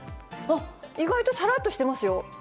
意外とさらっとしてますよ。